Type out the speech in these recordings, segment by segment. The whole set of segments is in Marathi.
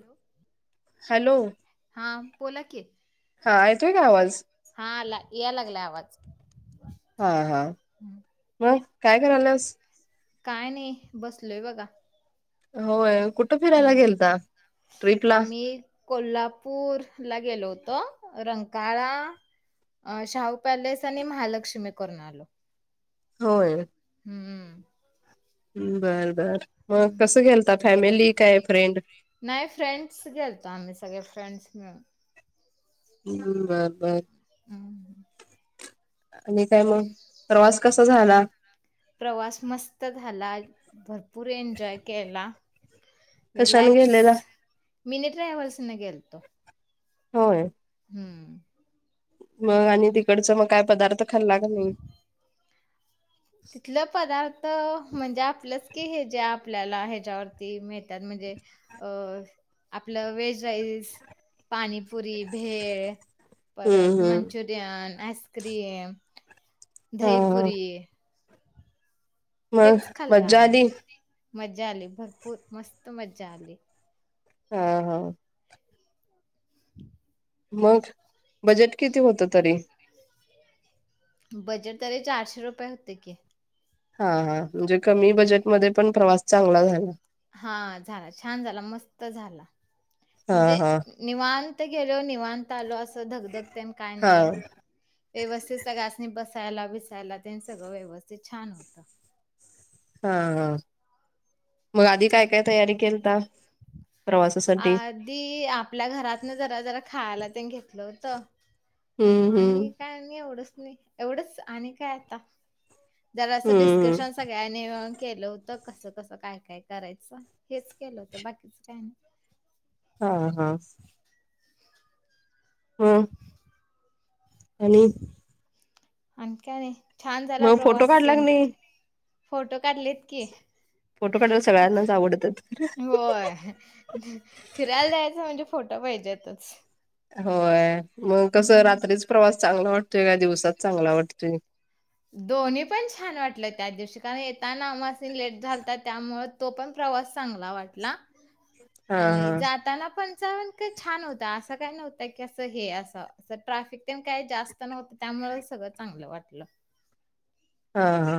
हॅलो, हॅलो हा बोला की हा ऐेतोय का आवाज. हा आला याय लागलाय आवाज़. हा हा मग काय कराल्यास? काय नाही बसलोय बघा. होय कुठं फिरायला ह्म्म गेलता ट्रिपला आम्ही कोल्हापूर, ला गेलो होतो रंकाळा अ शाहू पॅलेस आणि महालक्ष्मी करून आलो. होय. हम्म हम्म, बर बर, मग कसं गेलता फॅमिली काय फ्रेंड? नाही फ्रेंड्स गेलतो आम्ही सगळे फ्रेंड्स मिळून हम्म बरं बर हम्म आणि काय मग प्रवास कसा झाला? प्रवास मस्त झाला. भरपूर एन्जॉय केला. कश्यान रिलॅक्स गेलेला? मिनी ट्रॅव्हल्स न गेलतो. होय. हम्म मग आणि तिकडचं मग काय पदार्थ खाल्ला का नाही? तिथलं पदार त म्हणजे आपलंच की हे जे आपल्याला ह्याच्यावरती मिळत्यात म्हणजे अ आपलं व्हेज राईस, पाणीपुरी भेळ. हम्म परत हम्म मंचुरियन, ॲसक्रीम हा हा दहीपुरी मग हेच खाल्लं मजा आम्ही. आली मज्जा आली भरपूर, मस्त मज्जा आली. हा हा [inaudible] मग बजेट किती होत तरी बजेट तरी चारशे रुपये होते की हा हा म्हणजे कमी बजेटमध्ये पण प्रवास चांगला झाला. हा झाला छान झाला मस्त झाला हा म्हणजे हा निवांत. गेलो निवांत आलो असं. धकधकते न हा कायनी व्यवस्थित सगळासनी बस बसायला बीसायला त्यांचं घ व्यवस्थित छान होतं हा हा म आधी काय तयारी केलता प्रवासासाठी आधी आपल्या घरातनं जरा जरा खायला ते घेतलं होत. हम्म आणि हम्म काय नही एवढंच. एवढंच आणि काय आता. जरा असा हम्म डिस्कशन सगळ्यांनी मिळून केलं होत कस कसं काय काय करायचं हेच केलं होतं बाकीच काय नाही हा हा हूं आणि आणखी काही नाही. छान झाला मग फोटो प्रवास काढला की सेन नाही फोटो फोटो काढलेत की फोटो काढायला सगळ्यांनाच आवडतात होय फिरायला जायचं म्हणजे फोटो पाहिजेतच. होय मग कसं हम्म. रात्रीच प्रवास चांगला वाट तेरा दिवसात चांगला वाटतोय. दोन्ही पण छान वाटलं त्या दिवशी कारण येताना अमासिन लेट झालता त्यामुळे तो पण प्रवास चांगला वाटला. हा आणि हा जाताना पण. वातावरण इतक छान होता. असं काय नव्हतं की असं हे काय असं ट्रॅफिक तेन काय जास्त नव्हत त्यामुळ सगळं चांगलं वाटलं. हा हा.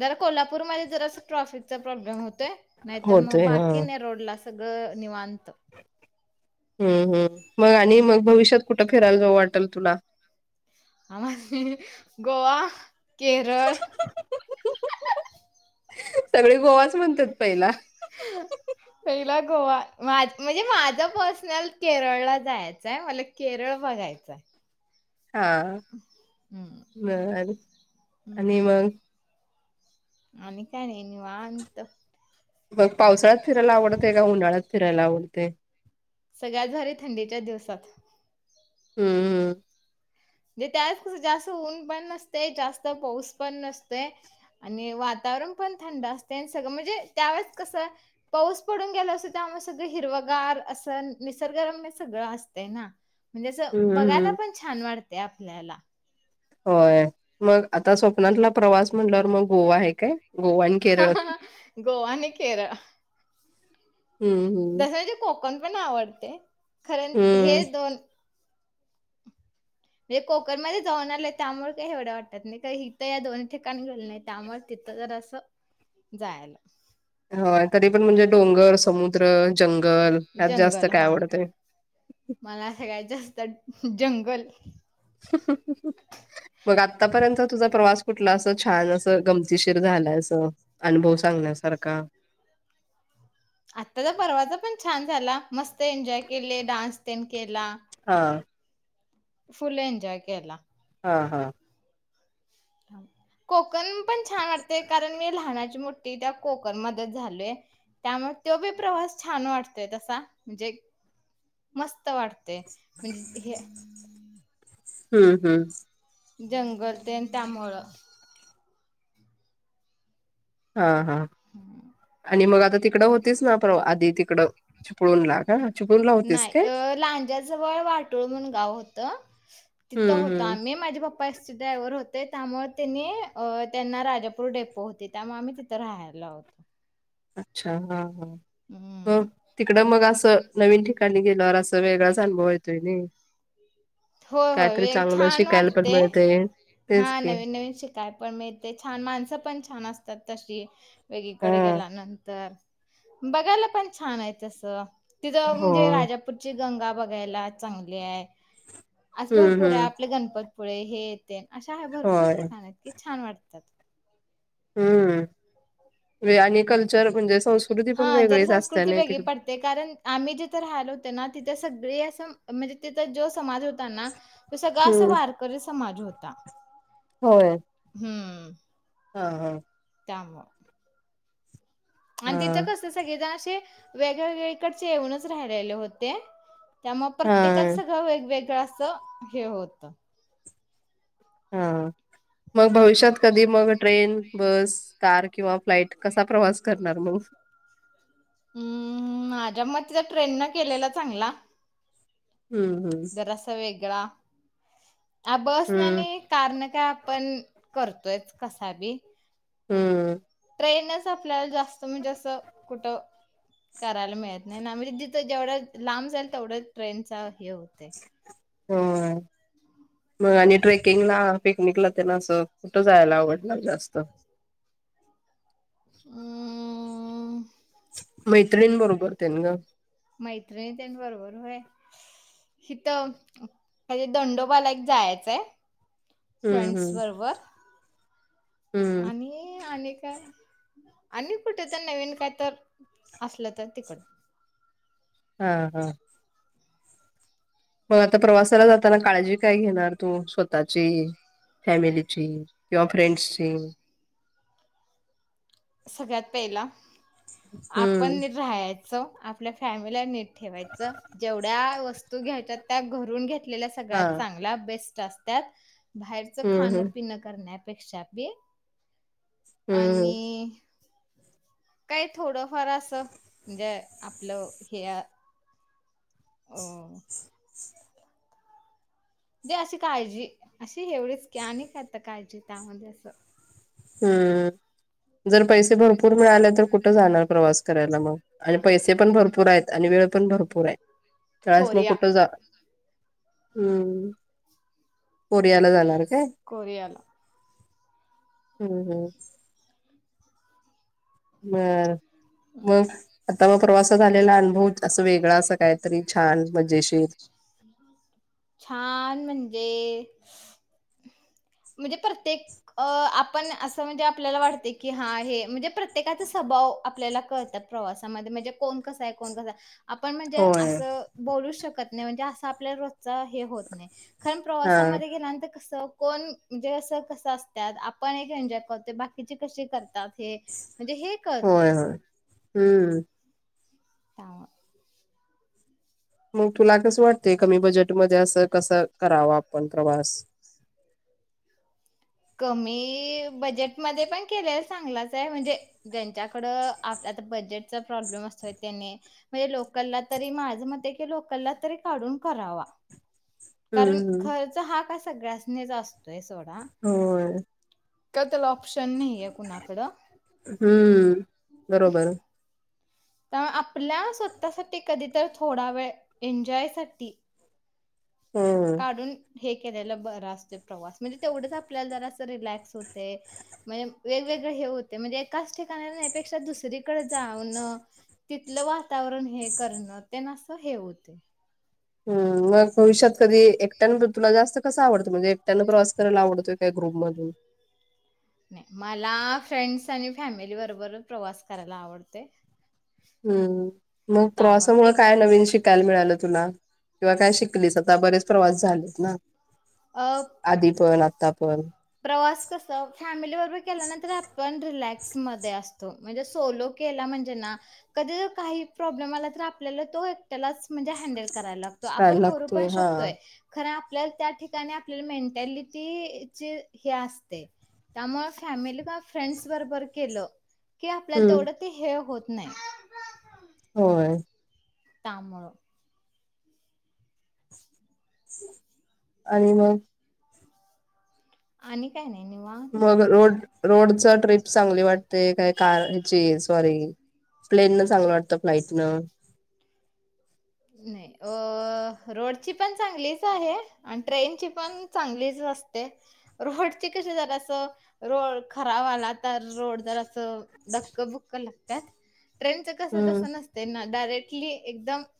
जर कोल्हापूरमध्ये जरासं ट्रॅफिकचा प्रॉब्लेम होत तय नाही तर मग होतोय हा बाकी नाही रोडला असं सगळं निवांत. हम्म हम्म मग आणि मग भविष्यात कुठं फिरायला जाऊ वाटल तुला? आम्हासनी गोवा. केरळ सगळी गोवाच म्हणतात पहिला. पहिला गोवा म्हणजे माझं पर्सनल केरळला जायचंय, मला केरळ बघायचंय. हा. हं, बर हं. आणि मग? आणि काय नाही निवांत. मग पावसाळ्यात फिरायला आवडतय काय उन्हाळ्यात? फीरायला आवडतय. सगळ्यात भारी थंडीच्या दिवसात. हम्म हम्म. म्हणजे त्यावेळेस कस जास्त ऊन पण नसते, जास्त पाऊस पण नसत आणि वातावरण पण थंड असते आणि सगळं म्हणजे त्यावेेळेस कसं पाऊस पडून गेला असतो, त्यामुळे सगळ हिरवगार असं निसर्गरम सगळं असतंय ना. म्हणजे असं हम्म बघायला हम्म. पण छान वाट त्या आपल्याला होय मग आता स्वप्नातला प्रवास म्हटल्यावर, मग गोवा आहे काय? गोवा आणि ह केरळ. गोवा न केरळ. हम्म हम्म. तसंच कोक कण पण आवडतय. खरं हम्म हे दोन म्हणजे कोकणमध्ये जाऊन आलोय त्यामुळे काही एवढं वाटतात नाही का इिथं या दोन ठिकाणी गेल नाही त्यामुळे तिथं जर असं जायलोय. होय तरी पण म्हणजे डोंगर, समुद्र, जंगल हयात जास्त जंगल काय हा आवडते? मला सगळ्यात जास्त जंग गल. मग आतापर्यंत तुझा प्रवास कुठला असं छान असं गमतीशीर झालंय असं, अनुभव सांगन्यासारखा. आताचा परवाचा पण छान झाला. मस्त एन्जॉय केले डान्स तेन केेला. हा. फुल् एंजॉय केेला. हा हा. कोकण पण छान वाटतय, कारण मी लहानाची मोठी त्या कोकण मध्येच झालोय त्यामुळे तो बी प्रवास छान वाटतोय तसा, म्हणजे मस्त मस्त वाटते म्हणजे हे हम्म हम्म जंगल तेन त्यामुळं हा हा हम्म आणि मग आता तिकडं होतीच ना प्र आधी तिकडं चिपळून ला का चिपळूणला होतीस काय? नाही लांजाजवळ वाटोळ म्हण गाव होत तिथं हम्म होतो हम्म आम्ही माझे पप्पा ड्रायव्हर होते. त्यामुळे तिने त्यांना राजापूर डेपो होते त्यामुळे आम्ही तिथं राहायला होतो. अच्छा हा हा ह हम्म. तिकड मग असं नवीन ठिकण कण गल र अस वेगळच अनभवयतय नी हो होय वेग छान पण वाटते, मिळतय हा तेच की नवीन नवीन शिकाय पण मिळते छान माणसं पण छान अस तत् तशी हा वेगळीकडे गेल्या नंतर बघायला पण छान आहे तस तिथं हो म्हणजे राजापूरची गंगा बघायला चांगली आहे. आस हम्म भरपूर आहे हम्म आपले गणपती पुळे हे ते अशा आहे भरपूर होय ठिकाण आहेत की छान वाटत. तत हम्म वे- आणि कल्चर म्हणजे संस्कृती पण हा जर वेगळीच असते संस्कृती नाही वेगळी तिकडे पडते कारण आम्ही जिथे राहिल होते ना तिथ त्या सगळे असं म्हणजे त्याचा जो समाज होता ना तो सगळा असं हम्म वारकरी समाज होता. ता होय हम्म हा हा त्यामुळं आणि तिथं हा कस सगळे जण असे वेगळवेेगळीकडचे येऊनच राहिलेले होते. त्यामुळे प्रत्येकाच हा सगळं वेगवेगळं अस हे होत. हा मग भविष्यात कधी मग ट्रेन बस कार किंवा फ्लाइट कसा प्रवास करणार मग हम्म माझ्या मते चा ट्रेन न केलेला चांगला हम्म हम्म जरा, आ बस ना हम्म आणि कार ना काय आपण करतोय, कसा बी हम्म ट्रेनच आपल्याला जास्त म्हटल जास्त कुठं करायला मिळत नाही ना म्हणजे जिथं जेवढं लांब जाईल तेवढंच ट्रेनचा हे होतय. होय. मग आणि ट्रेकिंगला, पिकनिकला, त्यांना असं कुठं जायला आवडणार जास्त. हम्म हम्म मैत्रिनी बरोबर ते न ग हिथ जे दंडोबा ला एक जायचंय आहे हम्म फ्रेंड्स हम्म बरोबर. हम्म आणि आणि काय आणि कुठे तर नवीन काय तर असलं तर तिकड. हा हा, मग आता प्रवासाला जाताना काळजी काय घेणार तू स्वतःची फॅमिलीची किंवा फ्रेंडसची? सगळ्यात पहिला, हम्म आपण राहा आपल्या फॅमिलीला नीट ठेवायच जेवढ्या वस्तू घ्यायच्या त्या घरून घेत आपला हा सगळ्यात चांगला बेस्ट रस्त्यात बाहेरचं हम्म खाण हम्म पिनं करण्या अपेक्षा [unintelligible] हम्म आणि, काही थोडंफार असं म्हणजे आपलं हे, अं जे अशी काळजी अशी एवढीच आणि काय आता काळजी त्यामध्ये असं, हम्म जर पैसे भरपूर मिळाले तर कुठ जाणार प्रवास करायला मग आणि पैसे पण भरपूर आहेत आणि वेळ पण भरपूर आहे. त्यावेळेस मग कोरिया कुठं जा? हम्म कोरियाला जाणार. काय कोरियाला, हम्म हम्म बर, मग अं आता मग प्रवासात आलेला अनुभव असं वेगळा अस काहीतरी छान, मज्जेशीर छान म्हणजे म्हणजे प्रत्येक आपण असं म्हणजे आपल्याला वाटत की हा हे म्हणजे प्रत्येकाचा स्वभाव आपल्याला कळतात प्रवासामध्ये म्हणजे कोण कसा आहे, कोण कसा, आपण म्हणजे होय. असं बोलू शक कतने म्हणजे आ- सा आपल्या रोजचा हे होत नाही. खरण हा प्रवासामध्ये गेल्यांतर कसं कोण म्हणजे असं कसं असतयात आपण एक एन्जॉय करतो बाकीची कशी कर तात हे म्हणजे हे होय कळते. होय हम्म. त्याव म तुला कसं वाटतेय कमी बजेट तो म्हणजे असं कसं करावं आपण प्रवास? कमी बजेटमध्ये पण केलेला चांगलाच आहे म्हणजे ज्यांच्याकड आता बजेटचा प्रॉब्लेम असतोय त्यांनी म्हणजे लोकलला तरी माझं मत आहे की लोकलला तरी काढून करावा. कारण हम्म खर्च हा कसा सगळ्यासनी असतोय सोडा होय. काय त्याला ऑप्शन नाही. हम्म बरोबर. त्या आप आपला स्वतःसाठी कधी तर थोडा वेळ एन्जॉयसाठी हम्म. काढून हे केलेला बरं असतय प्रवास म्हणजे तेवढंच आपल्याला जरा असं रिलॅक्स होतय, म्हयम वेगवेगळे हे होते म्हणजे एकाच ठिकाणापेक्षा न्या दुसरीकडे जाणं तिथलं वातावरण हे करनं त्याना असं हे होते. हम्म मग भविष्यात कधी एकट्यान तुला जास्त कसं आवडतो म्हणजे एकट्यानं प्रवास करायला आवडतोय काय ग्रुप मधून? नाय मला फ्रेंड्स आणि फॅमिली बरोबर प्रवास करायला आवडतय. हम्म, मग प्रवासामुळे एक काय नवीन शिकायला मिळालं तुला? किंवा काय शिकलीस आता बरेच प्रवास झालेत ना. अ आधीपण आ तापण प्रवास कसं फॅमिली बरोबर केला ना तर आपण रिलॅक्स मध्ये असतो म्हणजे सोलो केला म्हणजे ना कधी काही प्रॉब्लेम आला तर आपल्याला तो एकट्यालाच म्हणजे हॅन्डल कराय लागतो, करायला आपण करु पण लागतोय हा शकतोय खरं आप आपल्या त्या ठिकाणी आपल्या मेन्टालिटीचे हे असते त्यामुळं फॅमिली का फ्रेंड्स बरोबर केलं की आपल्याला हम्म तेवढं ते हे होत नाही. होय. त्यामुळं [unintelligible] आणि मग आणि काय नाही. निवांत मग रोड रोडच ट्रिप चांगली वाटते काय कार हेची सॉरी प्लेन न चांगलं वाटत फ्लाइटनं? नाही अ रोडची पण चांगलीच आहे आणि ट्रेनची पण चांगलीच असते रोडची कशी जर अस रोड खराब आला तर रोड जर अस धक्क बुक्क लागत्यात. ट्रेनचं कसं हम्म तसं नसतय ना. डायरेक्टली एकदम - -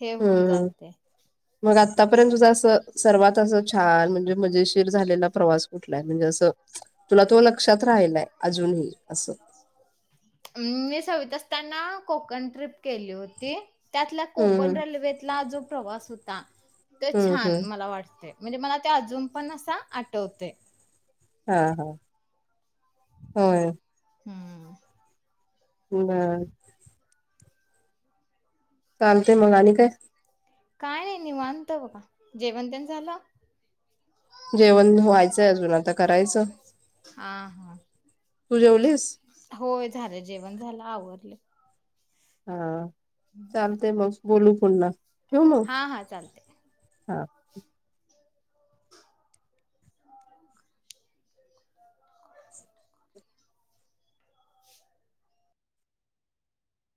हे हम्म होऊन हम्म जाते. मग आतापर्यंत तुझं असं सर्वात असं छान म्हणजे मजेशीर - झालेला प्रवास - - कुठलाय म्हणजे अस तुला तो लक? क्षात राहिलाय अजूनही - - आसं. मी सावीत असताना कोकण ट्रिप केली होती. त्यातल्या हम्म कोकण रेल्वेतला जो प्रवास होता - - ते हम्म हम्म छान मला वाटते. म्हणजे मला ते अजून पण असा आठवतय. हा हा होय. हम्म. बर. चालतेय मग आणि काय? काय नाही निवांत बघा जेवणतेन झालं. जेवण व्हायचंय अजून आता करायचं. हा हा तू जेवलीस? होय झालं जेवण झालं आवरले हा. चालतेय मग. बोलू पुन्हा ठेवू मग हा हा चालतय. हा